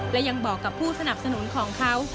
และยังบอกกับผู้สนับสนุนของเขา